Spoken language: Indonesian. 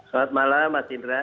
selamat malam mas indra